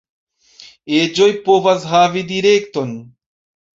Eĝoj povas havi direkton.